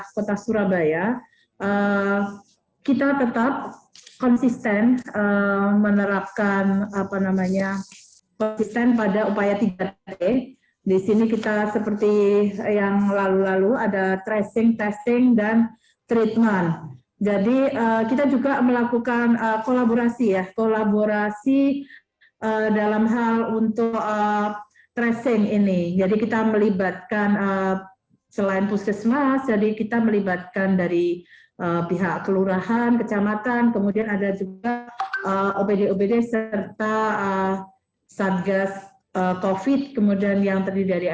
kota surabaya mengupayakan pengintersifan tiga t